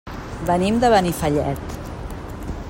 Venim de Benifallet.